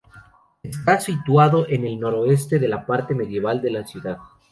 Está situado en el noroeste de la parte medieval de la ciudad.